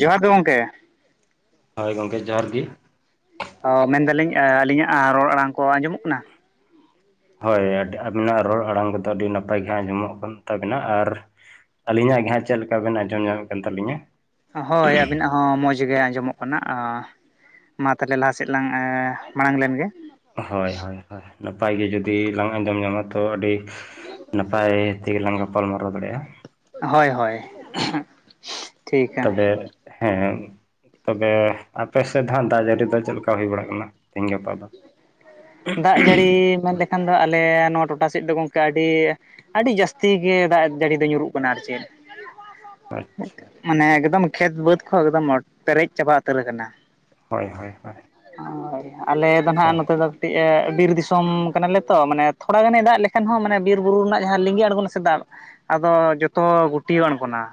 ᱡᱚᱦᱟᱨ ᱜᱮ ᱜᱚᱝᱠᱮ᱾ ᱦᱳᱭ ᱜᱚᱝᱠᱮ ᱡᱚᱦᱟᱨ ᱜᱤ᱾ ᱦᱚ ᱢᱮᱱᱫᱟᱞᱤᱧ ᱟᱹᱞᱤᱧᱟᱜ ᱨᱚᱲ ᱟᱲᱟᱝ ᱠᱚ ᱟᱸᱡᱚᱢᱚᱜ ᱠᱟᱱᱟ? ᱦᱳᱭ ᱟᱵᱤᱱᱟᱜ ᱨᱚᱲ ᱟᱲᱟᱝ ᱠᱚᱫᱚ ᱟᱹᱰᱤ ᱱᱟᱯᱟᱭ ᱜᱮ ᱦᱟᱸᱜ ᱟᱸᱡᱚᱢᱚᱜ ᱠᱟᱱ ᱛᱟᱵᱤᱱᱟ ᱟᱨ ᱟᱹᱞᱤᱧᱟᱜ ᱜᱮ ᱦᱟᱸᱜ ᱪᱮᱫ ᱞᱮᱠᱟ ᱵᱮᱱ ᱟᱸᱡᱚᱢ ᱧᱟᱢᱮᱫ ᱠᱟᱱ ᱛᱟᱞᱤᱧᱟ? ᱦᱳᱭ ᱟᱵᱤᱱᱟᱜ ᱦᱚᱸ ᱢᱚᱡᱽ ᱜᱮ ᱟᱸᱡᱚᱢᱚᱜ ᱠᱟᱱᱟ ᱾ ᱢᱟ ᱛᱟᱦᱚᱞᱮ ᱞᱟᱦᱟᱥᱮᱫ ᱞᱟᱝ ᱢᱟᱲᱟᱝ ᱞᱮᱱᱜᱮ ᱾ ᱦᱚᱭ ᱦᱚᱭ ᱦᱚᱭ, ᱱᱟᱯᱟᱭ ᱜᱮ ᱡᱩᱫᱤ ᱞᱟᱝ ᱟᱸᱡᱚᱢ ᱧᱟᱢᱟ ᱛᱚ ᱟᱹᱰᱤ ᱱᱟᱯᱟᱭ ᱛᱮᱜᱮ ᱞᱟᱝ ᱜᱟᱯᱟᱞ ᱢᱟᱨᱟᱣ ᱫᱟᱲᱮᱭᱟᱜᱼᱟ ᱾ ᱦᱳᱭ ᱦᱳᱭ ᱾ [inaudible] ᱛᱚᱵᱮ ᱦᱮᱸ ᱛᱚᱵᱮ ᱟᱯᱮ ᱥᱮᱫ ᱫᱚ ᱦᱟᱸᱜ ᱫᱟᱜ ᱡᱟᱹᱲᱤ ᱫᱚ ᱪᱮᱫ ᱞᱮᱠᱟ ᱦᱩᱭ ᱵᱟᱲᱟᱜ ᱠᱟᱱᱟ? ᱛᱮᱦᱮᱧ ᱜᱟᱯᱟ ᱫᱚ ᱾ ᱫᱟᱜ ᱡᱟᱹᱲᱤ ᱢᱮᱱ ᱞᱮᱠᱷᱟᱱ ᱫᱚ ᱟᱞᱮ ᱱᱚᱣᱟ ᱴᱚᱴᱷᱟ ᱥᱮᱫ ᱫᱚ ᱜᱚᱢᱠᱮ ᱟᱹᱰᱤ ᱟᱹᱰᱤ ᱡᱟᱹᱥᱛᱤ ᱜᱮ ᱫᱟᱜ ᱡᱟᱹᱲᱤ ᱫᱚ ᱧᱩᱨᱩᱜ ᱠᱟᱱᱟ ᱟᱨ ᱪᱮᱫ ᱾ ᱟᱪᱪᱷᱟ ᱾ ᱢᱟᱱᱮ ᱮᱠᱫᱚᱢ ᱠᱷᱮᱛ ᱵᱟᱹᱫᱽ ᱠᱚ ᱮᱠᱫᱚᱢ ᱯᱮᱨᱮᱡ ᱪᱟᱵᱟ ᱩᱛᱟᱹᱨ ᱟᱠᱟᱱᱟ ᱾ ᱦᱳᱭ ᱦᱳᱭ ᱦᱳᱭ ᱦᱳᱭ ᱟᱞᱮ ᱫᱚ ᱟᱪᱪᱷᱟ ᱱᱟᱦᱟᱜ ᱱᱚᱛᱮ ᱫᱚ ᱠᱟᱹᱴᱤᱡ ᱵᱤᱨ ᱫᱤᱥᱚᱢ ᱠᱟᱱᱟ ᱞᱮ ᱛᱚ ᱢᱟᱱᱮ ᱛᱷᱚᱲᱟ ᱜᱟᱱᱮ ᱫᱟᱜ ᱞᱮᱠᱷᱟᱱ ᱦᱚᱸ ᱢᱟᱱᱮ ᱵᱤᱨ ᱵᱩᱨᱩ ᱨᱮᱱᱟᱜ ᱡᱟᱦᱟᱸ ᱞᱤᱸᱜᱤ ᱟᱬᱜᱚᱱᱟ ᱥᱮ ᱫᱟᱜ ᱟᱫᱚ ᱡᱚᱛᱚ ᱜᱩᱴᱭᱟᱹᱣ ᱟᱬᱜᱚᱱᱟ ᱾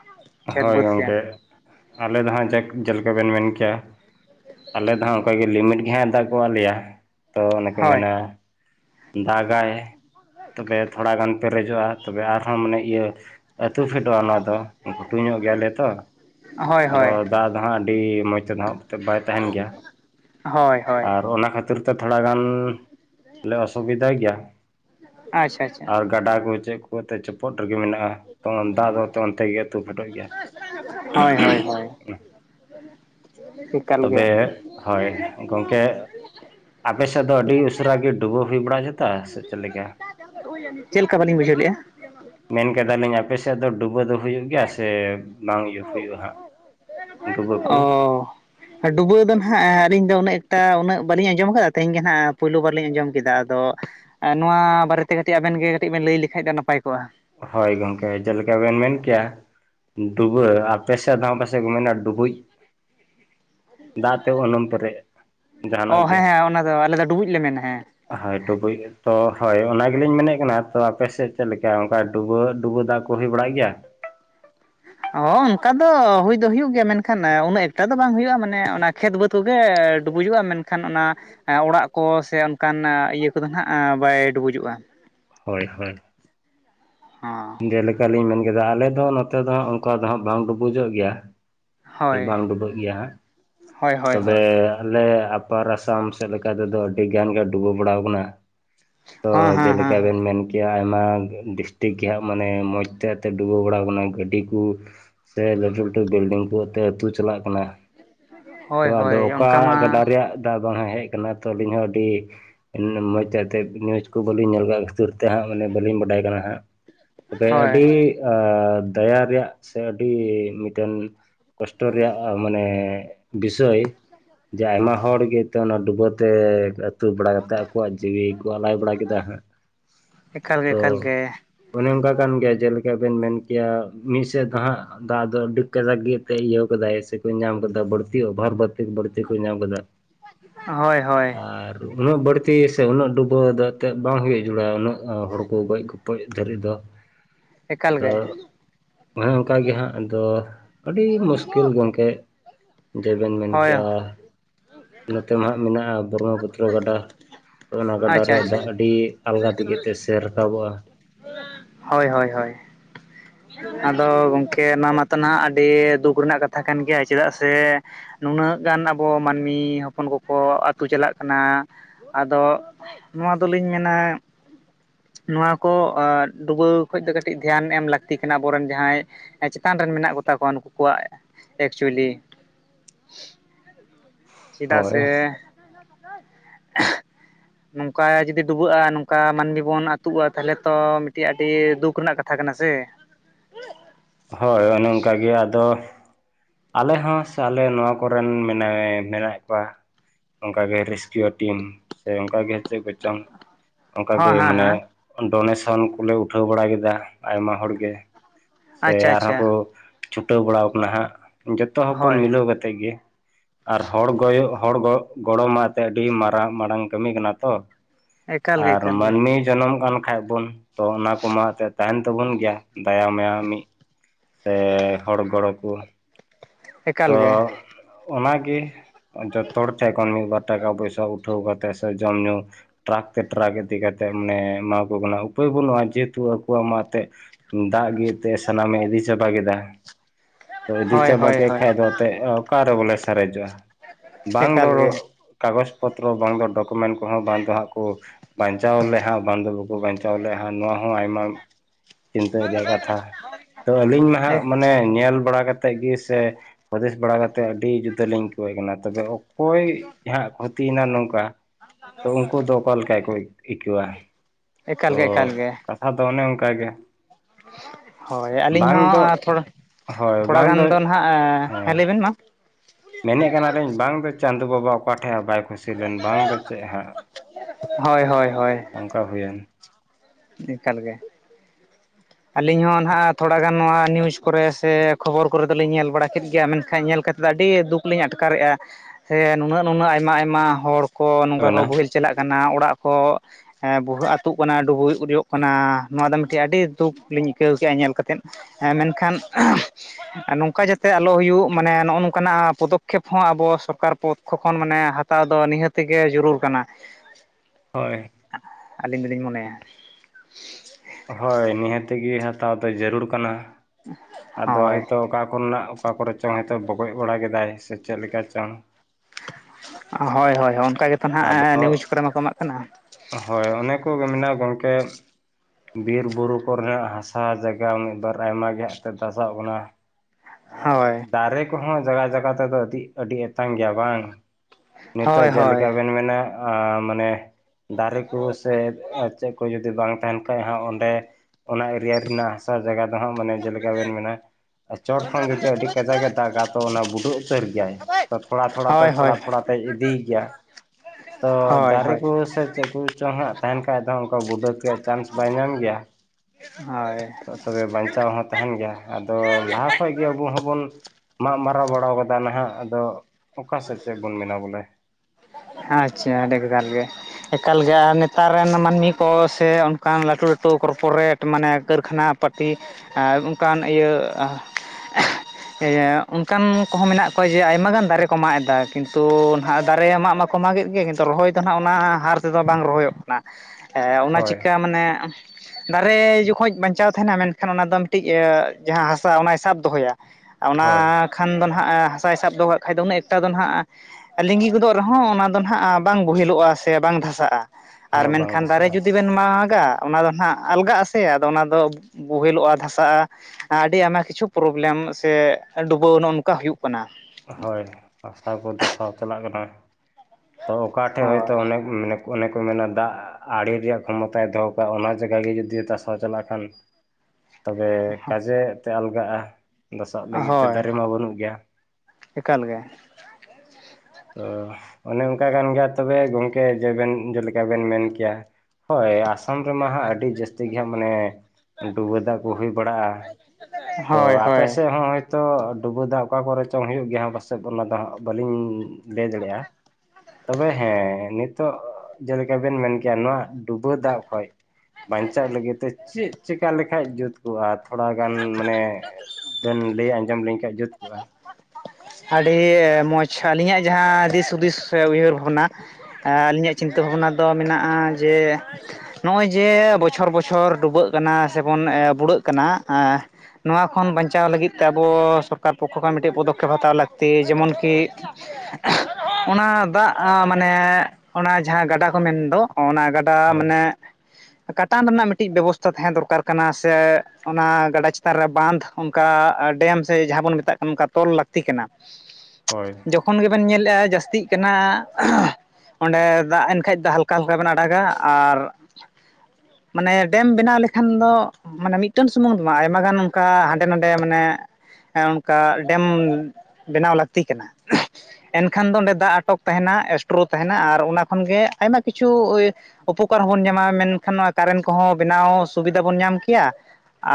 ᱦᱳᱭ ᱜᱚᱢᱠᱮ ᱟᱞᱮ ᱫᱚ ᱦᱟᱸᱜ ᱡᱟᱠ ᱡᱮᱞᱮᱠᱟ ᱵᱮᱱ ᱢᱮᱱ ᱠᱮᱭᱟ ᱟᱞᱮ ᱫᱚ ᱦᱟᱸᱜ ᱚᱱᱠᱟ ᱜᱮ ᱞᱤᱢᱤᱴ ᱜᱮ ᱦᱟᱜ ᱮ ᱫᱟᱜ ᱜᱚᱫ ᱟᱞᱮᱭᱟ, ᱛᱚ ᱚᱱᱮ ᱠᱚ ᱦᱳᱭ ᱢᱮᱱᱟ ᱫᱟᱜ ᱜᱟᱭ ᱛᱚᱵᱮ ᱛᱷᱚᱲᱟ ᱜᱟᱱ ᱯᱮᱨᱮᱡᱚᱜᱼᱟ ᱛᱚᱵᱮ ᱟᱨᱦᱚᱸ ᱢᱟᱱᱮ ᱤᱭᱟᱹ ᱟᱹᱛᱩ ᱯᱷᱮᱰᱚᱜᱼᱟ ᱚᱱᱟ ᱫᱚ ᱜᱷᱩᱴᱩ ᱧᱚᱜ ᱜᱮᱭᱟ ᱞᱮ ᱛᱚ ᱾ ᱦᱳᱭ ᱟᱫᱚ ᱦᱳᱭ ᱫᱟᱜ ᱫᱚ ᱦᱟᱸᱜ ᱟᱹᱰᱤ ᱢᱚᱡᱽ ᱛᱮᱫᱚ ᱦᱟᱜ ᱵᱟᱭ ᱛᱟᱦᱮᱱ ᱜᱮᱭᱟ ᱾ ᱦᱳᱭ ᱦᱳᱭ ᱾ ᱠᱷᱟᱹᱛᱤᱨ ᱛᱮ ᱛᱷᱚᱲᱟ ᱜᱟᱱ ᱞᱮ ᱚᱥᱩᱵᱤᱫᱟ ᱜᱮᱭᱟ ᱾ ᱟᱪᱪᱷᱟ ᱟᱪᱪᱷᱟ ᱾ ᱟᱨ ᱜᱟᱰᱟ ᱠᱚ ᱪᱮᱫ ᱠᱚ ᱛᱮ ᱪᱚᱯᱚᱫ ᱨᱮᱜᱮ ᱢᱮᱱᱟᱜᱼᱟ ᱾ ᱛᱚ ᱫᱟᱜ ᱫᱚ ᱛᱚᱵᱮ ᱚᱱᱛᱮ ᱜᱮ ᱟᱹᱛᱩ ᱯᱷᱮᱴᱚᱜ ᱜᱮᱭᱟ ᱾ ᱦᱳᱭ ᱦᱳᱭ ᱦᱳᱭ [unintelligible] ᱛᱚᱵᱮ ᱦᱳᱭ, ᱜᱚᱢᱠᱮ ᱟᱯᱮ ᱥᱮᱫ ᱫᱚ ᱟᱹᱰᱤ ᱩᱥᱟᱹᱨᱟ ᱜᱮ ᱰᱩᱵᱟᱹ ᱦᱩᱭ ᱵᱟᱲᱟ ᱥᱮ ᱪᱮᱫ ᱞᱮᱠᱟ? ᱪᱮᱫ ᱞᱮᱠᱟ ᱵᱟᱹᱞᱤᱧ ᱵᱩᱡᱷᱟᱹᱣ ᱞᱮᱫᱼᱟ ᱾ ᱢᱮᱱ ᱠᱮᱫᱟᱞᱤᱧ ᱟᱯᱮ ᱥᱮᱫ ᱫᱚ ᱰᱩᱵᱟᱹ ᱫᱚ ᱦᱩᱭᱩᱜ ᱜᱮᱭᱟ ᱥᱮ ᱵᱟᱝ ᱤᱭᱟᱹ ᱦᱩᱭᱩᱜ-ᱟ ᱦᱟᱸᱜ ᱰᱩᱵᱟᱹ ᱠᱚ ᱚ ᱾ ᱰᱩᱵᱟᱹ ᱫᱚ ᱱᱟᱦᱟᱜ ᱟᱹᱞᱤᱧ ᱫᱚ ᱩᱱᱟᱹᱜ ᱮᱠᱴᱟ ᱩᱱᱟᱹᱜ ᱵᱟᱹᱞᱤᱧ ᱟᱡᱚᱢ ᱟᱠᱟᱫᱟ ᱛᱮᱦᱮᱧ ᱜᱮ ᱱᱟᱦᱟᱜ ᱯᱳᱭᱞᱳ ᱵᱟᱨ ᱞᱤᱧ ᱟᱸᱡᱚᱢ ᱠᱮᱫᱟ ᱾ ᱟᱫᱚ ᱱᱚᱣᱟ ᱵᱟᱨᱮ ᱛᱮ ᱠᱟᱹᱴᱤᱡ ᱟᱵᱮᱱ ᱜᱮ ᱠᱟᱹᱴᱤᱡ ᱵᱮᱱ ᱞᱟᱹᱭ ᱞᱮᱠᱟᱡ ᱫᱚ ᱱᱟᱯᱟᱭ ᱠᱚᱜᱼᱟ ᱾ ᱦᱳᱭ ᱜᱚᱢᱠᱮ ᱡᱮᱞᱮᱠᱟ ᱵᱮᱱ ᱢᱮᱱ ᱠᱮᱭᱟ ᱰᱩᱵᱟᱹ ᱟᱯᱮ ᱥᱮᱫ ᱫᱚ ᱦᱟᱜ ᱯᱟᱥᱮᱡ ᱠᱚ ᱢᱮᱱᱟ ᱰᱩᱵᱩᱡ ᱾ ᱫᱟᱜ ᱛᱮ ᱩᱱᱩᱢ ᱯᱮᱨᱮᱡ ᱡᱟᱦᱟᱱᱟᱜ ᱚ ᱜᱮ ᱦᱮᱸ ᱦᱮᱸ ᱚᱱᱟ ᱫᱚ ᱟᱞᱮ ᱫᱚ ᱰᱩᱵᱩᱡ ᱞᱮ ᱢᱮᱱᱟ ᱦᱮᱸ ᱾ ᱦᱳᱭ ᱰᱩᱵᱩᱡ, ᱛᱚ ᱦᱳᱭ ᱚᱱᱟ ᱜᱮᱞᱤᱧ ᱢᱮᱱᱮᱫ ᱠᱟᱱᱟ ᱛᱚ ᱟᱯᱮ ᱥᱮᱫ ᱪᱮᱫ ᱞᱮᱠᱟ ᱚᱠᱟ ᱰᱩᱵᱟᱹ, ᱰᱩᱵᱟᱹ ᱫᱟᱜ ᱠᱚ ᱦᱩᱭ ᱵᱟᱲᱟᱜ ᱜᱮᱭᱟ? ᱦᱚ, ᱚᱱᱠᱟ ᱫᱚ ᱦᱩᱭ ᱫᱚ ᱦᱩᱭᱩᱜ ᱜᱮᱭᱟ ᱢᱮᱱᱠᱷᱟᱱ ᱩᱱᱟᱹᱜ ᱮᱠᱴᱟ ᱫᱚ ᱵᱟᱝ ᱦᱩᱭᱩᱜᱼᱟ, ᱢᱟᱱᱮ ᱚᱱᱟ ᱠᱷᱮᱛ ᱵᱟᱹᱫᱽ ᱠᱚᱜᱮ ᱰᱩᱵᱩᱡᱩᱜᱼᱟ ᱢᱮᱱᱠᱷᱟᱱ ᱚᱱᱟ ᱚᱲᱟᱜ ᱠᱚ ᱥᱮ ᱚᱱᱠᱟᱱ ᱤᱭᱟᱹ ᱠᱚᱫᱚ ᱦᱟᱜ ᱵᱟᱭ ᱰᱩᱵᱩᱡᱚᱜᱼᱟ ᱾ ᱦᱳᱭ ᱦᱳᱭ ᱾ ᱦᱚᱸ ᱾ ᱡᱮᱞᱮᱠᱟᱞᱤᱧ ᱢᱮᱱ ᱠᱮᱫᱟ ᱟᱞᱮ ᱫᱚ ᱱᱚᱛᱮ ᱫᱚ ᱦᱟᱜ ᱚᱱᱠᱟ ᱫᱚ ᱦᱟᱸᱜ ᱵᱟᱝ ᱰᱩᱵᱩᱡᱚᱜ ᱜᱮᱭᱟ ᱾ ᱥᱮ ᱦᱳᱭ ᱵᱟᱝ ᱰᱩᱰᱟᱹᱜ ᱜᱮᱭᱟ ᱦᱟᱸᱜ ᱾ ᱦᱳᱭ ᱦᱳᱭ ᱦᱳᱭ ᱛᱚᱵᱮ ᱟᱞᱮ ᱟᱯᱟᱨ ᱟᱥᱟᱢ ᱥᱮᱜ ᱞᱮᱠᱟ ᱛᱮᱫᱚ ᱟᱹᱰᱤᱜᱟᱱ ᱜᱮ ᱰᱩᱵᱟᱹ ᱵᱟᱲᱟᱣ ᱠᱟᱱᱟ᱾ ᱛᱚ ᱦᱮᱸ ᱦᱮᱸ ᱦᱮᱸ ᱡᱮᱞᱮᱠᱟᱵᱮᱱ ᱢᱮᱱ᱾ ᱠᱮᱭᱟ ᱟᱭᱢᱟ ᱰᱤᱥᱴᱤᱠ ᱜᱤ ᱦᱟᱸᱜ ᱢᱟᱱᱮ ᱢᱚᱸᱡᱽ ᱛᱮ ᱮᱛᱮ ᱰᱩᱵᱟᱹᱣ ᱵᱟᱲᱟᱣ ᱠᱟᱱᱟ ᱜᱟᱹᱰᱤ ᱠᱩ᱾ ᱥᱮ ᱞᱟᱹᱴᱷᱩ ᱞᱟᱹᱴᱷᱩ ᱵᱤᱞᱰᱤᱝ ᱠᱩ ᱮᱛᱮ ᱟᱹᱛᱩ ᱪᱟᱞᱟᱜ ᱠᱟᱱᱟ᱾ ᱛᱚ ᱦᱳᱭ ᱟᱫᱚ ᱦᱳᱭ ᱚᱠᱟ ᱚᱱᱠᱟ ᱢᱟ ᱜᱟᱰᱟ ᱨᱮᱭᱟᱜ ᱫᱟᱜ ᱵᱟᱝ ᱦᱮ ᱦᱮᱡ ᱠᱟᱱᱟ ᱛᱚ ᱟᱹᱞᱤᱧ ᱦᱚᱸ ᱟᱹᱰᱤ᱾ ᱤᱱᱟᱹ ᱢᱚᱡᱽ ᱛᱮ ᱮᱛᱮ ᱱᱤᱭᱩᱪ ᱠᱩ ᱵᱟᱹᱞᱤᱧ ᱧᱮᱞ ᱠᱟᱜ ᱠᱷᱟᱹᱛᱤᱨ ᱛᱮ ᱦᱟᱸᱜ ᱢᱟᱱᱮ ᱵᱟᱹᱞᱤᱧ ᱵᱟᱰᱟᱭ ᱠᱟᱱᱟ ᱦᱟᱸᱜ᱾ ᱛᱚᱵᱮ ᱦᱳᱭ ᱟᱹᱰᱤ ᱟᱸ ᱫᱟᱭᱟ ᱨᱮᱭᱟᱜ ᱥᱮ ᱟᱹᱰᱤ ᱢᱤᱴᱮᱱ᱾ ᱠᱚᱥᱴᱚ ᱨᱮᱭᱟᱜ ᱟ ᱢᱟᱱᱮ᱾ ᱥᱚᱭ ᱡᱮ ᱟᱭᱢᱟ ᱦᱚᱲ ᱜᱮ ᱛᱚ ᱚᱱᱟ ᱰᱩᱵᱟᱹᱣ ᱛᱮ ᱟᱹ ᱛᱩ ᱵᱟᱲᱟ ᱠᱟᱛᱮ ᱟᱠᱚᱣᱟᱜ ᱡᱤᱣᱤ ᱠᱚ ᱟᱞᱟᱭ ᱵᱟᱲᱟ ᱠᱮᱫᱟ ᱦᱟᱸᱜ ᱮᱠᱟᱞ ᱜᱮ ᱛᱚ᱾ ᱮᱠᱟᱞ ᱜᱮ ᱚᱱᱮ ᱚᱱᱠᱟ ᱠᱟᱱ ᱜᱮᱭᱟ ᱡᱮᱞᱮᱠᱟ ᱵᱮᱱ ᱢᱮᱱ ᱠᱮᱭᱟ ᱢᱤᱜ ᱥᱮᱜ ᱫᱚ ᱦᱟᱸᱜ ᱫᱟᱜ ᱫᱚ ᱩᱰᱩᱠ ᱠᱟ ᱞᱟᱹᱜᱤᱜ ᱛᱮ ᱤᱭᱟᱹᱳ ᱠᱟᱫᱟᱭ ᱥᱮ ᱠᱩ ᱧᱟᱢ ᱠᱟᱫᱟ ᱵᱟᱹᱲᱛᱤ᱾ ᱵᱷᱚᱨ ᱵᱟᱹᱛᱤ ᱵᱟᱹᱲᱛᱤ ᱠᱩ ᱧᱟᱢ ᱠᱟᱫᱟ ᱦᱳᱭ ᱦᱳᱭ ᱟᱨ᱾ ᱩᱱᱟᱹᱜ ᱵᱟᱹᱲᱛᱤ ᱥᱮ ᱩᱱᱟᱹᱜ ᱰᱩᱵᱟᱹᱣ ᱫᱟᱜ ᱛᱮᱜ ᱵᱟᱝ ᱦᱩᱭᱩᱜ-ᱟ ᱡᱩᱲᱟᱣ ᱩᱱᱟᱹᱜ ᱦᱚᱲ ᱠᱚ ᱜᱚᱡ᱾ ᱴᱚᱡ ᱫᱷᱟᱹᱨᱤᱡ ᱫᱚ ᱮᱠᱟᱞ ᱟᱫᱚ ᱜᱮ ᱚᱱᱮ ᱚᱱᱠᱟᱜᱮ ᱦᱟᱸᱜ ᱟᱫᱚ᱾ ᱟᱹᱰᱤ ᱢᱩᱥᱠᱤᱞ ᱜᱚᱢᱠᱮ᱾ ᱡᱮᱵᱮᱱ ᱦᱳᱭ ᱢᱮᱱᱠᱮᱜ-ᱟ ᱱᱚᱛᱮ ᱢᱟ ᱦᱟᱸᱜ ᱢᱮᱱᱟᱜ-ᱟ ᱵᱨᱢᱚ ᱯᱩᱛ ᱛᱨᱚ ᱜᱟᱰᱟ ᱛᱚ ᱚᱱᱟ ᱜᱟᱰᱟ ᱟᱪᱪᱷᱟ ᱨᱮᱭᱟᱜ ᱟᱪᱪᱷᱟ ᱫᱟᱜ ᱟᱹᱰᱤ ᱟᱞᱜᱟ ᱛᱮᱜᱮ ᱛᱮ ᱥᱮ ᱨᱟᱠᱟᱵᱚᱜ-ᱟ ᱾ ᱦᱳᱭ ᱦᱳᱭ ᱦᱳᱭ᱾ ᱟᱫᱚ ᱜᱚᱝᱠᱮ ᱚᱱᱟ ᱢᱟᱛᱚ ᱱᱷᱟᱜ ᱟᱰᱤ ᱫᱩᱠ ᱨᱮᱱᱟᱜ ᱠᱟᱛᱷᱟ ᱠᱟᱱ ᱜᱮᱭᱟ ᱪᱮᱫᱟᱜ ᱥᱮ᱾ ᱱᱩᱱᱟᱹᱜ ᱜᱟᱱ ᱟᱵᱚ ᱢᱟᱱᱢᱤ ᱦᱚᱯᱚᱱ ᱠᱚᱠᱚ ᱟᱛᱩ ᱪᱟᱞᱟᱜ ᱠᱟᱱᱟ ᱟᱫᱚ᱾ ᱱᱚᱣᱟ ᱫᱚᱞᱤᱧ ᱢᱮᱱᱟ᱾ ᱱᱚᱣᱟ ᱠᱚ ᱟᱸ ᱰᱩᱵᱟᱹᱣ ᱠᱷᱚᱡ ᱫᱚ ᱠᱟᱴᱤᱜ ᱫᱷᱮᱭᱟᱱ ᱮᱢ ᱞᱟᱠ ᱛᱤ ᱠᱟᱱᱟ ᱟᱵᱚᱨᱮᱱ ᱡᱟᱸᱦᱟᱭ ᱮᱸ ᱪᱮᱛᱟᱱ ᱨᱮᱱ ᱢᱮᱱᱟᱜ ᱠᱚᱛᱟ ᱠᱚᱣᱟ ᱱᱩᱠᱩ ᱠᱚᱣᱟᱜ ᱮᱠᱪᱩᱭᱮᱞᱤ᱾ ᱪᱮᱫᱟᱜ ᱦᱳᱭ ᱥᱮ᱾ [inaudible] ᱱᱚᱝᱠᱟᱭᱟᱭ ᱡᱩᱫᱤ ᱰᱩᱵᱟᱹᱜ-ᱟ ᱱᱚᱝᱠᱟ ᱢᱟᱱᱢᱤ ᱵᱚᱱ ᱟᱛᱩᱜ-ᱟ ᱛᱟᱦᱞᱮ ᱛᱚ ᱢᱤᱴᱤᱜ ᱟᱰᱤ ᱫᱩᱠ ᱨᱮᱱᱟᱜ ᱠᱟᱛᱷᱟ ᱠᱟᱱᱟ ᱥᱮ᱾ ᱦᱚᱭ ᱚᱱᱮ ᱚᱝᱠᱟ ᱜᱤ ᱟᱫᱚ᱾ ᱟᱞᱮ ᱦᱚᱸ ᱥᱮ ᱟᱞᱮ ᱱᱚᱣᱟ ᱠᱚᱨᱮᱱ ᱢᱮᱱᱟᱭ ᱢᱮᱱᱟᱜ ᱠᱚᱣᱟ᱾ ᱚᱝᱠᱟᱜᱮ ᱨᱮᱥᱠᱤᱭᱳ ᱴᱤᱢ ᱥᱮ ᱚᱝᱠᱟᱜᱮ ᱪᱮᱜ ᱠᱚᱪᱚᱝ᱾ ᱚᱝᱠᱟᱜᱮ ᱦᱚᱸ ᱦᱮᱸ ᱢᱟᱱᱮ ᱦᱮᱸ ᱰᱚᱱᱮᱥᱚᱱ ᱠᱚᱞᱮ ᱩᱴᱷᱟᱹᱣ ᱵᱟᱲᱟ ᱠᱮᱫᱟ ᱟᱭᱢᱟ ᱦᱚᱲᱜᱮ᱾ ᱥᱮ ᱟᱪᱪᱷᱟ ᱟᱨᱦᱚᱸ ᱟᱪᱪᱷᱟ ᱠᱚ ᱪᱷᱩᱴᱟᱹᱣ ᱵᱟᱲᱟᱣ ᱠᱟᱱᱟ ᱦᱟᱸᱜ ᱡᱚᱛᱚ ᱦᱚᱯᱚᱱ ᱦᱳᱭ ᱢᱤᱞᱟᱹᱣ ᱠᱟᱛᱮ ᱜᱮ᱾ ᱟᱨ ᱦᱚᱲ ᱜᱚᱭᱚ ᱦᱚᱲᱚ ᱜᱚ ᱜᱚᱲᱚ ᱢᱟ ᱮᱛᱮ ᱟᱹᱰᱤ ᱢᱟᱨᱟᱝ ᱢᱟᱲᱟᱝ ᱠᱟᱹᱢᱤ ᱠᱟᱱᱟ ᱛᱚ᱾ ᱮᱠᱟᱞ ᱜᱮ ᱟᱨ ᱮᱠᱟᱞ ᱜᱮ ᱢᱟᱹᱱᱢᱤ ᱡᱚᱱᱚᱢ ᱠᱟᱱ ᱠᱷᱟᱭ ᱵᱩᱱ᱾ ᱛᱚ ᱚᱱᱟ ᱠᱚᱢᱟ ᱮᱛᱮᱫ ᱛᱟᱸᱦᱮᱱ ᱛᱟᱵᱩᱱ ᱜᱮᱭᱟ ᱫᱟᱭᱟ ᱢᱟᱭᱟ ᱢᱤᱜ᱾ ᱥᱮ ᱦᱚᱲ ᱜᱚᱲᱚ ᱠᱩ ᱮᱠᱟᱞ ᱛᱚ ᱜᱮ ᱚᱱᱟᱜᱤ᱾ ᱡᱷᱚᱛᱚ ᱦᱚᱲ ᱴᱷᱮᱜ ᱠᱷᱚᱱ ᱢᱤᱜ ᱵᱟᱨ ᱴᱟᱠᱟ ᱯᱚᱭᱥᱟ ᱩᱴᱷᱟᱹᱣ ᱠᱟᱛᱮ ᱥᱮ ᱡᱚᱢ ᱧᱩ᱾ ᱴᱨᱟᱠ ᱛᱮ ᱴᱨᱟᱠ ᱤᱫᱤ ᱠᱟᱛᱮ ᱢᱟᱱᱮ ᱮᱢᱟ ᱠᱩ ᱠᱟᱱᱟ ᱩᱯᱟᱹᱭ ᱵᱟᱹᱱᱩᱜ-ᱟ ᱡᱮᱦᱮᱛᱩ ᱟᱠᱚᱣᱟᱜ ᱢᱟ ᱮᱛᱮᱜ᱾ ᱫᱟᱜ ᱜᱮᱛᱮ ᱥᱟᱱᱟᱢᱮ ᱤᱫᱤ᱾ ᱪᱟᱵᱟ ᱠᱮᱫᱟ, ᱛᱚ ᱤᱫᱤ ᱦᱳᱭ ᱪᱟᱵᱟ ᱦᱳᱭ ᱠᱮᱜ ᱦᱳᱭ ᱠᱷᱟᱭ ᱫᱚ ᱮᱛᱮᱜ ᱚᱠᱟᱨᱮ ᱵᱚᱞᱮ ᱥᱟᱨᱮᱡᱜ-ᱟ᱾ ᱵᱟᱝ ᱫᱚ ᱮᱠᱟᱞ ᱜᱮ ᱠᱟᱜᱚᱡᱽ ᱯᱚᱛᱨᱚ ᱵᱟᱝ ᱫᱚ ᱰᱚᱠᱚᱢᱮᱱᱴ ᱠᱚᱦᱚᱸ ᱵᱟᱝ ᱫᱚ ᱦᱟᱸᱜ ᱠᱩ᱾ ᱵᱟᱧᱪᱟᱣ ᱞᱮ ᱦᱟᱸᱜ ᱵᱟᱝ ᱫᱩ ᱵᱟᱹᱠᱩ ᱵᱟᱧᱪᱟᱣ ᱞᱮ ᱦᱟᱸᱜ ᱱᱚᱣᱟ ᱦᱚᱸ ᱟᱭᱢᱟ ᱪᱤᱱᱛᱟᱹ ᱨᱮᱭᱟᱜ ᱠᱟᱛᱷᱟ᱾ ᱛᱚ ᱟᱹᱞᱤᱧ ᱢᱟ ᱦᱟᱸᱜ ᱢᱟᱱᱮ ᱧᱮᱞ ᱵᱟᱲᱟ ᱠᱟᱛᱮᱜ ᱜᱤ ᱥᱮ᱾ ᱦᱩᱫᱤᱥ ᱵᱟᱲᱟ ᱠᱟᱛᱮ ᱟᱹᱰᱤ ᱡᱩᱫᱟᱹ ᱞᱤᱧ ᱟᱹᱭᱠᱟᱹᱣ ᱠᱟᱱᱟ ᱛᱚᱵᱮ ᱚᱠᱚᱭ ᱦᱟᱸᱜ ᱠᱷᱩᱛᱤᱭᱮᱱᱟ ᱱᱚᱝᱠᱟ᱾ ᱛᱚ ᱩᱱᱠᱩ ᱫᱚ ᱚᱠᱟ ᱞᱮᱠᱟᱭ ᱠᱚ ᱟᱹᱭᱠᱟᱹᱣᱟ ᱮᱠᱟᱞ ᱛᱚ᱾ ᱜᱮ ᱮᱠᱟᱞ ᱜᱮ ᱫᱚ ᱚᱱᱮ ᱚᱱᱠᱟᱜᱮ ᱾ ᱦᱳᱭ ᱫᱚ ᱦᱳᱭ ᱛᱷᱚᱲᱟ ᱵᱟᱝ ᱜᱟᱱ ᱫᱚ ᱦᱮᱸ ᱞᱟᱹᱭ ᱵᱮᱱ ᱢᱟ ᱾ ᱢᱮᱱᱮᱫ ᱠᱟᱱᱟᱞᱤᱧ ᱵᱟᱝ ᱫᱚ ᱪᱟᱸᱫᱚᱳ ᱵᱟᱵᱟ ᱚᱠᱟ ᱴᱷᱮᱱ ᱟᱨ ᱵᱟᱭ ᱠᱩᱥᱤᱤᱭᱟᱜᱼᱟ ᱾ ᱪᱮᱜ ᱵᱮᱱ ᱵᱟᱝ ᱫᱚ ᱪᱮᱫ ᱦᱟᱸᱜ ᱦᱳᱭ ᱦᱳᱭ ᱦᱳᱭ ᱚᱝᱠᱟ ᱦᱩᱭᱮᱱ᱾ ᱮᱠᱟᱞ ᱜᱮ᱾ [inaudible] ᱟᱹᱞᱤᱧ ᱦᱚᱸ ᱱᱟᱦᱟᱜ ᱛᱷᱚᱲᱟ ᱜᱟᱱ ᱱᱚᱣᱟ ᱱᱤᱭᱩᱡᱽ ᱠᱚᱨᱮ ᱥᱮ ᱠᱷᱚᱵᱚᱨ ᱠᱚᱨᱮ ᱫᱚᱞᱤᱧ ᱧᱮᱞ ᱵᱟᱲᱟ ᱠᱮᱫ ᱜᱮᱭᱟ ᱢᱮᱱᱠᱷᱟᱱ ᱧᱮᱞ ᱠᱟᱛ ᱟᱫᱚ ᱟᱹᱰᱤ ᱫᱩᱠ ᱞᱤᱧ ᱟᱴᱠᱟᱨᱮᱜ-ᱟ ᱥᱮ ᱱᱩᱱᱟᱹᱜ ᱱᱩᱱᱟᱹᱜ ᱟᱭᱢᱟ ᱟᱭᱢᱟ ᱦᱚᱲ, ᱠᱚ ᱱᱚᱝᱠᱟ ᱠᱚ ᱵᱳᱦᱮᱞ ᱪᱟᱞᱟᱜ ᱠᱟᱱᱟ ᱚᱲᱟᱜ ᱠᱚ ᱵᱷᱩᱜᱟᱹᱜ ᱟᱹᱛᱩᱜ ᱠᱟᱱᱟ ᱰᱩᱵᱩᱡ ᱦᱚᱭᱚᱜ ᱠᱟᱱᱟ ᱱᱚᱣᱟ ᱫᱚ ᱢᱤᱫᱴᱤᱡ ᱟᱹᱰᱤ ᱫᱩᱠ ᱞᱤᱧ ᱟᱹᱭᱠᱟᱹᱣ ᱠᱮᱜ-ᱟ ᱧᱮᱞ ᱠᱟᱛᱮᱫ ᱢᱮᱱᱠᱷᱟᱱ᱾ ᱱᱚᱝᱠᱟ ᱡᱟᱛᱮ ᱟᱞᱚ ᱦᱩᱭᱩᱜ ᱢᱟᱱᱮ ᱱᱚᱜ-ᱚ ᱱᱚᱝᱠᱟᱱᱟᱜ ᱯᱚᱫᱚᱠᱷᱮᱵᱽ ᱦᱚᱸ ᱟᱵᱚ ᱥᱚᱨᱠᱟᱨ ᱯᱚᱫ ᱠᱚ ᱠᱷᱚᱱ ᱢᱟᱱᱮ ᱦᱟᱛᱟᱣ ᱫᱚ ᱱᱤᱦᱟᱹᱛᱤ ᱜᱮ ᱡᱚᱨᱩᱨ ᱠᱟᱱᱟ᱾ ᱦᱳᱭ᱾ ᱟᱹᱞᱤᱧ ᱫᱚᱞᱤᱧ ᱢᱚᱱᱮᱭᱟ᱾ ᱦᱳᱭ ᱱᱤᱦᱟᱹᱛᱤ ᱜᱮ ᱦᱟᱛᱟᱣ ᱡᱟᱹᱨᱩᱨ ᱠᱟᱱᱟ᱾ ᱟᱫᱚ ᱦᱳᱭ ᱦᱚᱭᱛᱳ ᱚᱠᱟ ᱠᱚᱨᱮᱱᱟᱜ ᱚᱠᱟ ᱠᱚᱨᱮ ᱪᱚᱝ ᱦᱚᱭᱛᱚ ᱵᱚᱜᱚᱡ ᱵᱟᱲᱟ ᱠᱮᱫᱟᱭ ᱥᱮ ᱪᱮᱫ ᱞᱮᱠᱟ ᱪᱚᱝ᱾ ᱦᱳᱭ ᱦᱳᱭ ᱚᱱᱠᱟ ᱜᱮᱛᱚ ᱱᱟᱦᱟᱜ ᱟᱫᱚ ᱱᱤᱭᱩᱡᱽ ᱠᱚᱨᱮ ᱢᱟᱠᱚ ᱮᱢᱟᱜ ᱠᱟᱱᱟ᱾ ᱦᱳᱭ ᱚᱱᱮ ᱠᱚᱜᱮ ᱢᱮᱱᱟᱜ-ᱟ ᱜᱚᱢᱠᱮ ᱾ ᱵᱤᱨ ᱵᱩᱨᱩ ᱠᱚᱨᱮᱱᱟᱜ ᱦᱟᱥᱟ ᱡᱟᱭᱜᱟ ᱢᱤᱫᱵᱟᱨ ᱟᱭᱢᱟ ᱜᱮ ᱦᱟᱸᱜ ᱛᱚ ᱫᱷᱟᱥᱟᱣ ᱠᱟᱱᱟ᱾ ᱟᱨ ᱦᱳᱭ ᱫᱟᱨᱮ ᱠᱚᱦᱚᱸ ᱡᱟᱭᱜᱟ ᱡᱟᱭᱜᱟ ᱛᱮᱫᱚ ᱟᱹᱰᱤ ᱟᱹᱰᱤ ᱮᱛᱟᱝ ᱜᱮᱭᱟ ᱵᱟᱝ᱾ ᱱᱤᱛᱚᱜ ᱦᱳᱭ ᱦᱳᱭ ᱡᱮᱞᱮᱠᱟ ᱵᱮᱱ ᱢᱮᱱᱟ ᱟᱸ ᱢᱟᱱᱮ, ᱫᱟᱨᱮ ᱠᱚ ᱥᱮ ᱪᱮᱫ ᱠᱚ ᱡᱩᱫᱤ ᱵᱟᱝ ᱛᱟᱦᱮᱱ ᱠᱷᱟᱡ ᱦᱟᱸᱜ ᱚᱸᱰᱮ ᱚᱱᱟ ᱮᱨᱤᱭᱟ ᱨᱮᱱᱟᱜ ᱦᱟᱸᱥᱟ᱾ [unintelligible] ᱡᱟᱜᱟ ᱫᱚ ᱦᱟᱸᱜ ᱢᱟᱱᱮ ᱡᱮᱞᱮᱠᱟ ᱵᱮᱱ ᱢᱮᱱᱟ ᱪᱚᱴ ᱠᱷᱚᱱ ᱡᱩᱫᱤ ᱟᱹᱰᱤ ᱠᱟᱡᱟ ᱜᱮ ᱫᱟᱜᱟ᱾ ᱛᱚ ᱚᱱᱟ ᱵᱩᱰᱟᱹᱜ ᱩᱛᱟᱹᱨ ᱜᱮᱭᱟᱭ ᱛᱷᱚᱲᱟ ᱛᱷᱚᱲᱟ ᱛᱮ ᱦᱳᱭ ᱦᱳᱭ ᱛᱷᱚᱲᱟ ᱛᱷᱚᱲᱟ ᱛᱮᱭ ᱤᱫᱤᱭ ᱜᱮᱭᱟ᱾ ᱛᱚ ᱦᱳᱭ ᱫᱟᱨᱮ ᱦᱳᱭ ᱠᱚ ᱥᱮ ᱪᱮᱫ ᱠᱚ ᱪᱚᱝ ᱦᱟᱸᱜ ᱛᱟᱦᱮᱱ ᱠᱷᱟᱡ ᱫᱚ ᱚᱝᱠᱟ ᱵᱩᱰᱟᱹᱯ ᱨᱮᱭᱟᱜ ᱪᱟᱱᱥ ᱵᱟᱭ ᱧᱟᱢ ᱜᱮᱭᱟ᱾ ᱦᱳᱭ᱾ ᱛᱚᱵᱮ ᱵᱟᱧᱪᱟᱣ ᱦᱚᱸ ᱛᱟᱦᱮᱱ ᱜᱮᱭᱟ ᱟᱫᱚ ᱞᱟᱦᱟ ᱠᱷᱚᱡ ᱜᱮ ᱟᱵᱚ ᱦᱚᱸᱵᱚᱱ, ᱢᱟᱜ-ᱢᱟᱨᱟᱣ ᱵᱟᱲᱟ ᱠᱟᱫᱟ ᱱᱟᱦᱟᱜ ᱟᱫᱚ ᱚᱠᱟ ᱥᱮᱫ ᱪᱮᱫ ᱵᱚᱱ ᱢᱮᱱᱟ ᱵᱚᱞᱮ᱾ ᱟᱪᱷᱟ ᱟᱹᱰᱤ ᱮᱠᱟᱞ ᱜᱮ᱾ ᱮᱠᱟᱞ ᱜᱮ ᱟᱨ ᱱᱮᱛᱟᱨ ᱨᱮᱱ ᱢᱟᱹᱱᱢᱤ ᱠᱚ ᱥᱮ ᱚᱱᱠᱟᱱ ᱞᱟᱹᱴᱩ ᱞᱟᱹᱴᱩ ᱠᱚᱨᱯᱳᱨᱮᱴ ᱢᱟᱱᱮ ᱠᱟᱹᱨᱠᱷᱟᱱᱟ᱾ ᱯᱟᱴᱤ ᱚᱱᱠᱟᱱ ᱤᱭᱟᱹ᱾ ᱮᱭᱟᱹ ᱚᱱᱠᱟᱱ ᱠᱚᱦᱚᱸ ᱢᱮᱱᱟᱜ ᱠᱚᱣᱟ ᱡᱮ ᱟᱭᱢᱟ ᱜᱟᱱ ᱫᱟᱨᱮ ᱠᱚ ᱢᱟᱜ ᱮᱫᱟ ᱠᱤᱱᱛᱩ ᱱᱟᱦᱟᱜ ᱫᱟᱨᱮ ᱦᱚᱸ ᱢᱟᱜ ᱢᱟᱠᱚ ᱢᱟᱜᱮᱫ ᱜᱮ ᱠᱤᱱᱛᱩ ᱨᱚᱦᱚᱭ ᱫᱚ ᱱᱟᱦᱟᱜ ᱚᱱᱟ ᱦᱟᱨ ᱛᱮᱫᱚ ᱵᱟᱝ ᱨᱚᱦᱚᱭᱚᱜ ᱠᱟᱱᱟ᱾ ᱮᱻ ᱚᱱᱟ ᱦᱳᱭ ᱪᱤᱠᱟ ᱢᱟᱱᱮ? ᱫᱟᱨᱮ ᱡᱚᱠᱷᱚᱡ ᱵᱟᱧᱪᱟᱣ ᱛᱷᱟᱦᱮᱱᱟ ᱢᱮᱱᱠᱷᱟᱱ ᱚᱱᱟ ᱫᱚ ᱢᱤᱫᱴᱤᱡ ᱤᱭᱟᱹ ᱡᱟᱦᱟᱸ ᱦᱟᱥᱟ ᱚᱱᱟᱭ ᱥᱟᱵ ᱫᱚᱦᱚᱭᱟ᱾ ᱦᱳᱭ ᱚᱱᱟ ᱠᱷᱟᱱ ᱫᱚ ᱱᱟᱦᱟᱜ ᱦᱟᱥᱟᱭ ᱥᱟᱵ ᱫᱚᱦᱚ ᱠᱟᱜ ᱠᱷᱟᱡ ᱫᱚ ᱩᱱᱟᱹᱜ ᱮᱠᱴᱟ ᱫᱚ ᱱᱟᱦᱟᱜ ᱞᱤᱝᱜᱤ ᱜᱚᱫᱚ ᱨᱚᱦᱚᱸ ᱚᱱᱟ ᱫᱚ ᱱᱟᱦᱟᱜ ᱵᱟᱝ ᱵᱳᱦᱮᱞᱚᱜ-ᱟ ᱥᱮ ᱵᱟᱝ ᱫᱷᱟᱥᱟᱜ-ᱟ ᱟᱨ ᱦᱚᱸ ᱵᱟᱝ ᱢᱮᱱᱠᱷᱟᱱ ᱫᱟᱨᱮ ᱫᱟᱥᱟᱜᱼᱟ ᱡᱩᱫᱤ ᱵᱮᱱ ᱢᱟᱜᱟ ᱚᱱᱟ ᱫᱚ ᱱᱟᱦᱟᱜ ᱟᱞᱜᱟᱜ-ᱟ ᱥᱮ ᱟᱫᱚ ᱚᱱᱟ ᱫᱚ ᱵᱳᱦᱮᱞᱚᱜ-ᱟ ᱫᱷᱟᱥᱟᱜ-ᱟ᱾ ᱟᱹᱰᱤ ᱟᱭᱢᱟ ᱠᱤᱪᱷᱩ ᱯᱨᱚᱵᱽᱞᱮᱢ ᱥᱮ ᱰᱩᱵᱟᱹᱣ ᱱᱚᱜ ᱱᱚᱝᱠᱟ ᱦᱩᱭᱩᱜ ᱠᱟᱱᱟ᱾ ᱦᱳᱭ ᱦᱟᱥᱟ ᱠᱚ ᱫᱟᱥᱟᱣ ᱪᱟᱞᱟᱜ ᱠᱟᱱᱟ ᱛᱚ ᱚᱠᱟᱴᱷᱮᱡ ᱦᱳᱭᱛᱚ ᱦᱳᱭ ᱚᱱᱮᱠ ᱢᱟᱱᱮ, ᱚᱱᱮ ᱠᱚ ᱢᱮᱱᱟ ᱫᱟᱜ ᱟᱲᱮ ᱨᱮᱭᱟᱜ ᱠᱷᱚᱢᱚᱛᱟᱭ ᱫᱚᱦᱚ ᱠᱟᱜ-ᱟ ᱚᱱᱟ ᱡᱟᱜᱟᱜᱮ ᱡᱩᱫᱤ ᱫᱟᱥᱟᱣ ᱪᱟᱞᱟᱜ ᱠᱷᱟᱱ᱾ ᱛᱚᱵᱮ ᱠᱟᱡᱮ ᱛᱮ ᱟᱞᱜᱟᱜ-ᱟ ᱵᱮᱥᱚᱜ ᱞᱟᱹᱜᱤᱫ ᱛᱮ ᱦᱳᱭ ᱫᱟᱨᱮ ᱢᱟ ᱵᱟᱹᱱᱩᱜ ᱜᱮᱭᱟ᱾ ᱮᱠᱟᱞ ᱜᱮ᱾ ᱚ ᱚᱱᱮ ᱚᱱᱠᱟ ᱜᱟᱱ ᱜᱮᱦᱟᱜ ᱛᱚᱵᱮ ᱜᱚᱝᱠᱮ ᱡᱮ ᱵᱮᱱ ᱡᱮᱞᱮᱠᱟ ᱵᱮᱱ ᱢᱮᱱ ᱠᱮᱭᱟ᱾ ᱦᱳᱭ ᱟᱥᱟᱢ ᱨᱮᱢᱟ ᱦᱟᱸᱜ ᱟᱹᱰᱤ ᱡᱟᱹᱥᱛᱤ ᱜᱮ ᱦᱟᱸᱜ ᱢᱟᱱᱮ ᱰᱩᱵᱟᱹ ᱫᱟᱜ ᱠᱚ ᱦᱩᱭ ᱵᱟᱲᱟᱜ-ᱟ᱾ ᱛᱚ ᱦᱳᱭ ᱟᱯᱮ ᱦᱳᱭ ᱥᱮᱜ ᱦᱚᱸ ᱛᱚ ᱰᱩᱵᱟᱹ ᱫᱟᱜ ᱚᱠᱟ ᱠᱚᱨᱮ ᱪᱚᱝ ᱦᱩᱭᱩᱜ ᱜᱮᱭᱟ ᱦᱟᱸᱜ ᱯᱟᱥᱮᱫ ᱚᱱᱟ ᱫᱚ ᱦᱟᱸᱜ ᱵᱟᱹᱞᱤᱧ ᱞᱟᱹᱭ ᱫᱟᱲᱮᱜ-ᱟ ᱾ ᱛᱚᱵᱮ ᱦᱮᱸ ᱱᱤᱛᱚᱜ ᱡᱮᱞᱮᱠᱟ ᱵᱮᱱ ᱢᱮᱱ ᱠᱮᱭᱟ ᱱᱟᱜ ᱰᱩᱵᱟᱹ ᱫᱟᱜ ᱠᱷᱚᱡ ᱵᱟᱧᱪᱟᱣ ᱞᱟᱹᱜᱤᱫ ᱛᱮ ᱪᱮᱫ ᱪᱮᱠᱟ ᱞᱮᱠᱷᱟᱡ ᱡᱩᱛ ᱠᱚᱜ-ᱟ? ᱟᱫ ᱛᱷᱚᱲᱟ ᱜᱟᱱ ᱢᱟᱱᱮ ᱵᱮᱱ ᱞᱟᱹᱭ ᱟᱸᱡᱚᱢ ᱞᱤᱧ ᱠᱷᱟᱡ ᱡᱩᱛ ᱠᱚᱜ-ᱟ ᱾ ᱟᱹᱰᱤ ᱢᱚᱡᱽ, ᱟᱹᱞᱤᱧᱟᱜ ᱡᱟᱦᱟᱸ ᱫᱤᱥ ᱦᱩᱫᱤᱥ ᱥᱮ ᱩᱭᱦᱟᱹᱨ ᱵᱷᱟᱵᱱᱟ ᱮᱸ ᱟᱹᱞᱤᱧᱟᱜ ᱪᱤᱱᱛᱟᱹ ᱵᱷᱟᱵᱱᱟ ᱫᱚ ᱢᱮᱱᱟᱜᱼᱟ ᱡᱮ ᱱᱚᱜᱼᱚᱭ ᱡᱮ ᱵᱚᱪᱷᱚᱨ ᱵᱚᱪᱷᱚᱨ ᱰᱩᱵᱟᱹᱜ ᱠᱟᱱᱟ ᱥᱮᱵᱚᱱ ᱵᱩᱲᱟᱹᱜ ᱠᱟᱱᱟ ᱮᱸ ᱱᱚᱣᱟ ᱠᱷᱚᱱ ᱵᱟᱧᱪᱟᱣ ᱞᱟᱹᱜᱤᱫ ᱛᱮ ᱟᱵᱚ ᱥᱚᱨᱠᱟᱨ ᱯᱚᱠᱠᱷᱚ ᱠᱷᱚᱱ ᱢᱤᱫᱴᱮᱱ ᱯᱚᱫᱚᱠᱷ ᱠᱷᱮᱯ ᱦᱟᱛᱟᱣ ᱞᱟᱹᱠᱛᱤ ᱡᱮᱢᱚᱱ ᱠᱤ [inaudible] ᱚᱱᱟ ᱫᱟᱜ ᱢᱟᱱᱮ ᱚᱱᱟ ᱡᱟᱦᱟᱸ ᱜᱟᱰᱟ ᱠᱚ ᱢᱮᱱᱫᱚ ᱚᱱᱟ ᱜᱟᱰ ᱰᱟ ᱦᱳᱭ ᱢᱟᱱᱮ [unintelligible] ᱠᱟᱴᱟᱱ ᱨᱮᱱᱟᱜ ᱢᱤᱫᱴᱤᱡ ᱵᱮᱵᱚᱥᱛᱟ ᱛᱟᱦᱮᱸ ᱫᱚᱨᱠᱟᱨ ᱠᱟᱱᱟ ᱥᱮ ᱚᱱᱟ ᱜᱟᱰᱟ ᱪᱮᱛᱟᱱ ᱨᱮ ᱵᱟᱸᱫᱷ ᱚᱱᱠᱟ ᱰᱮᱢ ᱥᱮ ᱡᱟᱦᱟᱸ ᱵᱚᱱ ᱢᱮᱛᱟᱜ ᱠᱟᱱᱟ ᱚᱱᱠᱟ ᱛᱚᱞ ᱞᱟᱹᱠᱛᱤ ᱠᱟᱱᱟ ᱾ ᱦᱳᱭ ᱾ ᱡᱚᱠᱷᱚᱱ ᱜᱮᱵᱮᱱ ᱧᱮᱞᱫᱼᱟ ᱡᱟᱹᱥᱛᱤᱜ ᱠᱟᱱᱟ [unintelligible] ᱚᱸᱰᱮ ᱫᱟᱜ ᱮᱱ ᱠᱷᱟᱡ ᱫᱚ ᱦᱟᱞᱠᱟ ᱦᱟᱞᱠᱟ ᱵᱮᱱ ᱟᱲᱟᱜᱟ ᱟᱨ ᱢᱟᱱᱮ ᱰᱮᱢ ᱵᱮᱱᱟᱣ ᱞᱮᱠᱷᱟᱱ ᱫᱚ ᱢᱟᱱᱮ ᱢᱤᱫᱴᱮᱱ ᱥᱩᱢᱩᱝ ᱫᱚ ᱵᱟᱝ ᱟᱭᱢᱟ ᱜᱟᱱ ᱚᱱᱠᱟ ᱦᱟᱸᱰᱮ ᱱᱟᱰᱮ ᱚᱱᱠᱟ ᱰᱮᱢ ᱵᱮᱱᱟᱣ ᱞᱟᱹᱠᱛᱤ ᱠᱟᱱᱟ ᱾ ᱮᱱᱠᱷᱟᱱ ᱫᱚ ᱚᱸᱰᱮ ᱫᱟᱜ ᱟᱴᱚᱠ ᱛᱟᱦᱮᱱᱟ ᱮᱥᱴᱨᱳ ᱛᱟᱦᱮᱱᱟ ᱟᱨ ᱚᱱᱟ ᱠᱷᱚᱱᱜᱮ ᱟᱭᱢᱟ ᱠᱤᱪᱷᱩ ᱳᱭ ᱩᱯᱚᱠᱟᱨ ᱦᱚᱸᱵᱚᱱ ᱧᱟᱢᱟ ᱢᱮᱱᱠᱷᱟᱱ ᱱᱚᱣᱟ ᱠᱟᱨᱮᱱ ᱠᱚᱦᱚᱸ ᱵᱮᱱᱟᱣ ᱥᱩᱵᱤᱫᱷᱟ ᱵᱚᱱ ᱧᱟᱢ ᱠᱮᱭᱟ ᱾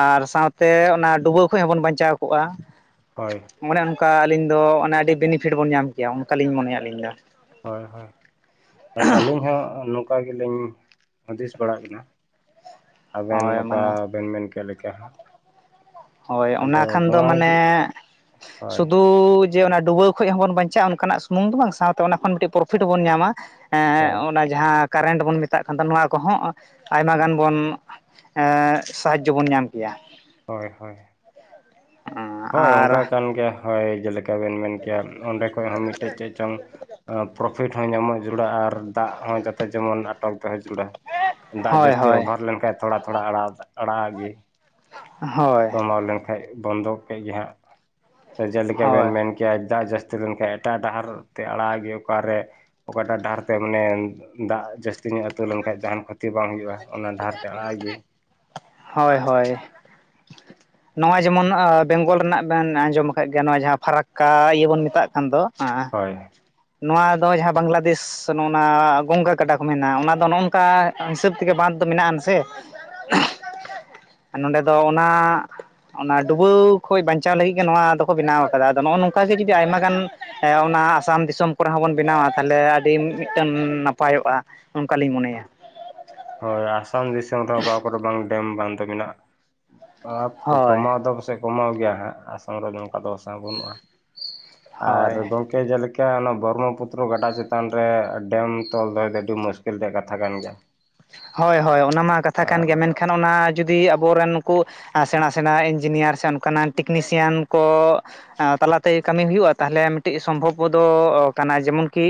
ᱟᱨ ᱥᱟᱶᱛᱮ ᱚᱱᱟ ᱰᱩᱵᱟᱹ ᱠᱷᱚᱡ ᱦᱚᱸᱵᱚᱱ ᱵᱟᱧᱪᱟᱣ ᱠᱚᱜᱼᱟ ᱾ ᱦᱳᱭ ᱾ ᱚᱱᱮ ᱚᱱᱠᱟ ᱟᱹᱞᱤᱧ ᱫᱚ ᱚᱱᱮ ᱟᱹᱰᱤ ᱵᱮᱱᱤᱯᱷᱤᱴ ᱵᱚᱱ ᱧᱟᱢ ᱠᱮᱭᱟ ᱚᱱᱠᱟ ᱞᱤᱧ ᱢᱚᱱᱮᱭᱟ ᱟᱹᱞᱤᱧ ᱫᱚ ᱾ ᱦᱳᱭ ᱦᱳᱭ ᱾ ᱦᱳᱭ ᱟᱹᱞᱤᱧ ᱦᱚᱸ ᱱᱚᱝᱠᱟ ᱜᱮ ᱞᱤᱧ ᱦᱩᱫᱤᱥ ᱵᱟᱲᱟᱜ ᱠᱟᱱᱟ ᱾ ᱟᱵᱮᱱ ᱦᱳᱭ ᱚᱠᱟ ᱢᱟᱱᱮ ᱵᱮᱱ ᱢᱮᱱ ᱠᱮᱫ ᱞᱮᱠᱟ ᱦᱟᱸᱜ ᱾ ᱦᱳᱭ ᱚᱱᱟ ᱠᱷᱟᱱ ᱫᱚ ᱢᱟᱱᱮ ᱜᱮ ᱦᱳᱭ ᱥᱩᱫᱩ ᱡᱮ ᱚᱱᱟ ᱰᱩᱵᱟᱹᱣ ᱠᱷᱚᱱ ᱦᱚᱸᱵᱚᱱ ᱵᱟᱧᱪᱟᱜᱼᱟ ᱚᱱᱠᱟᱱᱟᱜ ᱥᱩᱢᱩᱝ ᱫᱚ ᱵᱟᱝ ᱥᱟᱶᱛᱮ ᱚᱱᱟ ᱠᱷᱚᱱ ᱢᱤᱫᱴᱤᱡ ᱯᱨᱚᱯᱷᱤᱴ ᱵᱚᱵᱚᱱ ᱧᱟᱢᱟ, ᱦᱳᱭ ᱮᱸ ᱡᱟᱦᱟᱸ ᱠᱟᱨᱮᱱᱴ ᱵᱚᱱ ᱢᱮᱛᱟᱜ ᱠᱟᱱ ᱫᱚ ᱱᱚᱣᱟ ᱠᱚᱦᱚᱸ ᱟᱭᱢᱟ ᱜᱟᱱ ᱵᱚᱱ ᱮᱸᱜ ᱥᱟᱦᱟᱡᱡᱚ ᱵᱚᱱ ᱧᱟᱢ ᱠᱮᱭᱟ ᱾ ᱦᱳᱭ ᱦᱳᱭ ᱾ ᱦᱳᱭ ᱚᱱᱠᱟ ᱟᱨ ᱠᱟᱱ ᱜᱮ ᱦᱳᱭ ᱡᱮᱞᱮᱠᱟ ᱵᱤᱱ ᱢᱮᱱ ᱠᱮᱭᱟ ᱚᱸᱰᱮ ᱠᱷᱚᱡ ᱦᱚᱸ ᱢᱤᱫᱴᱮᱡ ᱪᱮᱫ ᱪᱚᱝ ᱯᱨᱚᱯᱷᱤᱴ ᱦᱚᱸ ᱧᱟᱢᱚᱜ ᱡᱩᱲᱟᱜᱼᱟ, ᱟᱨ ᱫᱟᱜ ᱦᱚᱸ ᱡᱟᱛᱮ ᱡᱮᱢᱚᱱ ᱟᱴᱚᱠ ᱛᱟᱦᱮ ᱡᱟᱨᱩᱲᱟ ᱫᱟᱜ ᱦᱳᱭ ᱡᱟᱹᱥᱛᱤ ᱦᱳᱭ ᱚᱵᱷᱟᱨ ᱞᱮᱱᱠᱷᱟᱡ ᱛᱷᱚᱲᱟ ᱛᱷᱚᱲᱟ ᱟᱲᱟᱜ ᱟᱲᱟᱜ ᱟᱜ ᱜᱮ ᱾ ᱦᱳᱭ ᱠᱚᱢᱟᱣ ᱞᱮᱱᱠᱷᱟᱡ ᱵᱚᱱᱫᱚᱜ ᱠᱮᱫ ᱜᱮ ᱦᱟᱸᱜ ᱥᱮ ᱡᱮᱞᱮᱠᱟ ᱵᱮᱱ ᱦᱳᱭ ᱢᱮᱱ ᱠᱮᱭᱟ ᱫᱟᱜ ᱡᱟᱹᱥᱛᱤ ᱞᱮᱱᱠᱷᱟᱡ ᱮᱴᱟᱜ ᱰᱟᱦᱟᱨ ᱛᱮ ᱟᱲᱟᱜ ᱜᱮ ᱚᱠᱟᱨᱮ ᱚᱠᱟᱴᱟᱜ ᱰᱟᱦᱟᱨ ᱛᱮ ᱢᱟᱱᱮ ᱫᱟᱜ ᱡᱟᱹᱥᱛᱤ ᱧᱚᱜ ᱟᱛᱩ ᱞᱮᱱᱠᱷᱟᱡ ᱡᱟᱦᱟᱱ ᱠᱷᱚᱛᱤ ᱵᱟᱝ ᱦᱩᱭᱩᱜᱼᱟ ᱾ ᱚᱱᱟ ᱰᱟᱦᱟᱨ ᱛᱮ ᱟᱲᱟᱜ ᱟᱜ ᱜᱮ ᱾ ᱦᱳᱭ ᱦᱳᱭ ᱾ [unintelligible] ᱱᱚᱜ-ᱚᱭ ᱡᱮᱢᱚᱱ ᱮᱸ ᱵᱮᱝᱜᱚᱞ ᱨᱮᱱᱟᱜ ᱵᱤᱱ ᱟᱸᱡᱚᱢ ᱟᱠᱟᱫ ᱜᱮᱭᱟ ᱱᱚᱣᱟ ᱡᱟᱦᱟᱸ ᱯᱷᱟᱨᱟᱠᱠᱟ ᱤᱭᱟᱹ ᱵᱚᱱ ᱢᱮᱛᱟᱜ ᱠᱟᱱ ᱫᱚ ᱾ ᱦᱮᱸ ᱦᱳᱭ ᱾ ᱱᱚᱣᱟ ᱫᱚ ᱡᱟᱦᱟᱸ ᱵᱟᱝᱞᱟᱫᱮᱥ ᱥᱮ ᱱᱚᱱᱟ ᱜᱚᱝᱜᱟ ᱜᱟᱰᱟ ᱠᱚ ᱢᱮᱱᱟ ᱚᱱᱟ ᱫᱚ ᱱᱚᱜᱚᱝ ᱠᱟ ᱦᱤᱥᱟᱹᱵ ᱛᱮᱜᱮ ᱵᱟᱱᱛ ᱫᱚ ᱢᱮᱱᱟ ᱟᱱ ᱥᱮ ᱱᱟᱰᱮ ᱫᱚ ᱚᱱᱟ ᱚᱱᱟ ᱰᱩᱵᱟᱹᱣ ᱠᱷᱚᱱ ᱵᱟᱧᱪᱟᱣ ᱞᱟᱹᱜᱤᱫ ᱜᱮ ᱱᱚᱣᱟ ᱫᱚᱠᱚ ᱵᱮᱱᱟᱣ ᱠᱟᱫᱟ ᱟᱫᱚ ᱱᱚᱜᱚ ᱱᱚᱝᱠᱟ ᱜᱮ ᱡᱩᱫᱤ ᱟᱭᱢᱟ ᱜᱟᱱ ᱮ ᱚᱱᱟ ᱟᱥᱟᱢ ᱫᱤᱥᱚᱢ ᱠᱚᱨᱮ ᱦᱚᱸᱵᱚᱱ ᱵᱮᱱᱟᱣᱟ ᱛᱟᱦᱚᱞᱮ ᱟᱹᱰᱤ ᱢᱤᱫᱴᱟᱝ ᱱᱟᱯᱟᱭᱚᱜᱼᱟ᱾ ᱚᱱᱠᱟᱞᱤᱧ ᱢᱚᱱᱮᱭᱟ ᱦᱳᱭ ᱟᱥᱟᱢ ᱫᱤᱥᱚᱢ ᱨᱮᱦᱚᱸ ᱚᱠᱟ ᱠᱚᱨᱮ ᱵᱟᱝ ᱰᱮᱢ ᱫᱚ ᱢᱮᱱᱟᱜ ᱟᱯ ᱦᱳᱭ ᱠᱚᱢᱟᱣ ᱫᱚ ᱯᱟᱥᱮᱡ ᱠᱚᱢᱟᱣ ᱜᱮᱭᱟ ᱦᱟᱸᱜ ᱟᱥᱟᱢ ᱨᱮᱫᱚ ᱱᱚᱝᱠᱟ ᱫᱚ ᱵᱟᱥᱟᱝ ᱵᱟᱹᱱᱩᱜᱼᱟ ᱟᱨ ᱦᱳᱭ ᱜᱚᱝᱠᱮ ᱡᱮᱞᱮᱠᱟ ᱚᱱᱟ ᱵᱨᱢᱚ ᱯᱩᱛᱨᱚ ᱜᱟᱰᱟ ᱪᱮᱛᱟᱱ ᱨᱮ ᱰᱮᱢ ᱛᱚᱞ ᱫᱚᱦᱚᱭ ᱫᱚ ᱟᱹᱰᱤ ᱢᱩᱥ ᱠᱤᱞ ᱨᱮᱭᱟᱜ ᱠᱟᱛᱷᱟ ᱠᱟᱱ ᱜᱮᱭᱟ᱾ ᱦᱚᱭ ᱦᱚᱭ ᱚᱱᱟ ᱢᱟ ᱠᱟᱛᱷᱟ ᱠᱟᱱ ᱟᱨ ᱜᱮᱭᱟ ᱢᱮᱱᱠᱷᱟᱱ ᱚᱱᱟ ᱡᱩᱫᱤ ᱟᱵᱚᱨᱮᱱ ᱱᱩᱠᱩ᱾ ᱟ ᱥᱮᱬᱟ ᱥᱮᱬᱟ ᱤᱱᱡᱤᱱᱤᱭᱟᱨ ᱥᱮ ᱚᱱᱠᱟ ᱱᱟᱜ ᱴᱮᱠᱱᱤᱥᱤᱭᱟᱱ ᱠᱚ ᱟ ᱛᱟᱞᱟᱛᱮ ᱠᱟᱹᱢᱤ ᱦᱩᱭᱩᱜᱼᱟ ᱛᱟᱦᱞᱮ ᱢᱤᱫᱴᱤᱡ ᱥᱚᱢᱵᱷᱚᱵᱫᱚ ᱠᱟᱱᱟ ᱡᱮᱢᱚᱱ ᱠᱤ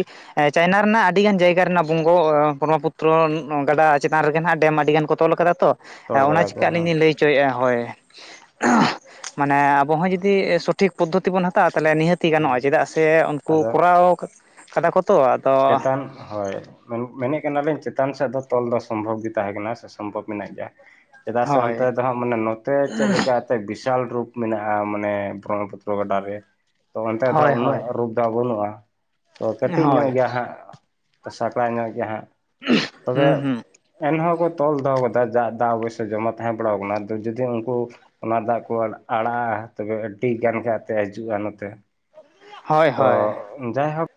ᱪᱟᱭᱱᱟ ᱨᱮᱱᱟᱜ ᱟᱹᱰᱤ ᱜᱟᱱ ᱡᱟᱭᱜᱟ ᱨᱮᱱᱟᱜ ᱵᱩᱢᱵᱷᱳ ᱮ ᱵᱨᱚᱦᱚ ᱯᱩᱛᱨᱚ ᱱᱚ ᱜᱟᱰᱟ ᱪᱮᱛᱟᱱ ᱨᱮᱜᱮ ᱦᱟᱸᱜ ᱰᱮᱢ ᱟᱹᱰᱤ ᱜᱟᱱ ᱠᱚ ᱛᱚᱞ ᱠᱟᱫᱟ ᱛᱚ ᱛᱚᱞ ᱚᱱᱟ ᱠᱟᱫᱟ ᱠᱚ ᱪᱤᱠᱟ ᱟᱹᱞᱤᱧ ᱦᱮᱸ ᱞᱤᱧ ᱞᱟᱹᱭ ᱪᱚᱭᱜᱼᱟ ᱦᱚᱭ᱾ ᱢᱟᱱᱮ ᱟᱵᱚᱸ ᱡᱩᱫᱤ ᱥᱚᱴᱷᱤᱠ ᱯᱚᱫᱽᱫᱷᱚᱛᱤ ᱵᱚᱱ ᱦᱟᱛᱟᱣᱟ ᱛᱟᱦᱚᱞᱮ ᱱᱤᱦᱟᱹᱛ ᱛᱤ ᱦᱮᱸ ᱜᱟᱱᱚᱜᱼᱟ ᱪᱮᱫᱟᱜ ᱥᱮ ᱩᱱᱠᱩ ᱟᱫᱚ ᱠᱚᱨᱟᱣ ᱠᱟᱫᱟ ᱠᱚ ᱛᱚ ᱟᱫᱚ ᱪᱮᱛᱟᱱ ᱦᱳᱭ ᱢᱮᱱ ᱢᱮᱱᱮᱫ ᱠᱟᱱᱟᱞᱤᱧ ᱪᱮᱛᱟᱱ ᱥᱮᱫ ᱫᱚ ᱛᱚᱞ ᱫᱚ ᱥᱚᱢᱵᱷᱚᱵ ᱜᱮ ᱛᱟᱦᱮᱸ ᱠᱟᱱᱟ ᱥᱮ ᱥᱚᱢᱵᱷᱚᱵ ᱢᱮᱱᱟᱜ ᱜᱮᱭᱟ᱾ ᱪᱮᱫᱟᱜ ᱥᱮ ᱚᱱᱛᱮ ᱦᱳᱭ ᱫᱚ ᱦᱟᱸᱜ ᱢᱟᱱᱮ ᱱᱚᱛᱮ ᱪᱮᱫ ᱞᱮᱠᱟ ᱛᱮ ᱵᱤᱥᱟᱞ ᱨᱩᱯ ᱢᱮᱱᱟᱜᱼᱟ ᱢᱟᱱᱮ ᱵᱨᱚᱦᱚᱢᱚ ᱯᱩᱛᱨᱚ ᱜᱟᱰᱟ ᱨᱮ ᱛᱚ ᱚᱱᱛᱮ ᱫᱚ ᱦᱳᱭ ᱦᱟᱸᱜ ᱩᱱᱟᱹᱜ ᱦᱳᱭ ᱨᱩᱯ ᱫᱚ ᱵᱟᱹᱱᱩᱜᱼᱟ ᱛᱚ ᱠᱟᱹᱴᱤᱡ ᱧᱚᱜ ᱦᱳᱭ ᱜᱮᱭᱟ ᱦᱟᱸᱜ ᱥᱟᱠᱲᱟ ᱧᱚᱜ ᱜᱮᱭᱟ ᱦᱟᱸᱜ ᱛᱚᱵᱮ ᱦᱩᱸ ᱦᱩᱸ ᱮᱱᱦᱚᱸ ᱠᱚ ᱛᱚᱞ ᱫᱚᱦᱚ ᱠᱟᱫᱟ ᱡᱟᱜ ᱫᱟᱜ ᱚᱵᱚᱥᱚᱭ ᱡᱚᱢᱟ ᱛᱟᱦᱮᱸ ᱯᱟᱲᱟᱟᱣ ᱠᱟᱱᱟ ᱟᱫᱚ ᱡᱩᱫᱤ ᱩᱱᱠᱩ ᱚᱱᱟ ᱫᱟᱜ ᱠᱚ ᱟᱲᱟᱜᱟᱜᱼᱟ ᱛᱚᱵᱮ ᱟᱹᱰᱤ ᱜᱟᱱ ᱜᱮ ᱟᱛᱮ ᱦᱤᱡᱩᱜᱼᱟ ᱱᱚᱛᱮ᱾ ᱦᱳᱭ ᱛᱚ ᱦᱳᱭ ᱡᱟᱭᱦᱳᱠ